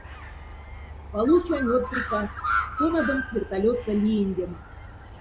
Получань од приказ —тонадомс вертолетса лиендема.